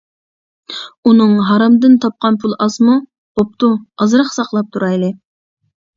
ئۇنىڭ ھارامدىن تاپقان پۇلى ئازمۇ؟ -بوپتۇ ئازراق ساقلاپ تۇرايلى.